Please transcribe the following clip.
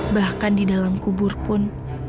bahkan di dalam kubur pun